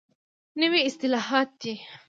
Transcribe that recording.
نوي اصطلاحات دي.